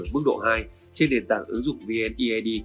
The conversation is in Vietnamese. mức độ hai trên đền tảng ứng dụng vfid